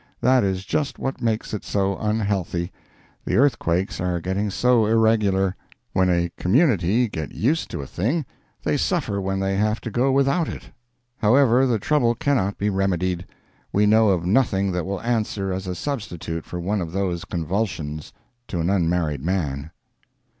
That is just what makes it so unhealthy—the earthquakes are getting so irregular. When a community get used to a thing, they suffer when they have to go without it. However, the trouble cannot be remedied; we know of nothing that will answer as a substitute for one of those convulsions—to an unmarried man.